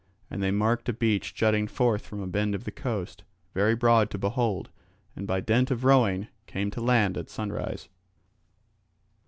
And they marked a beach jutting forth from a bend of the coast, very broad to behold, and by dint of rowing came to land at sunrise.